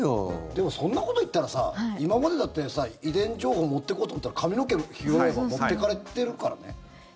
でもそんなこと言ったらさ今までだってさ、遺伝情報を持っていこうと思ったら髪の毛を拾えば持ってかれてるからね。